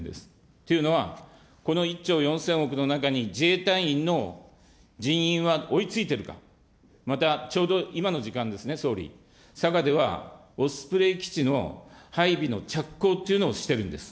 というのは、この１兆４０００億の中に、自衛隊員の人員は追いついてるか、また、ちょうど今の時間ですね、総理、佐賀ではオスプレイ基地の配備の着工っていうのをしてるんです。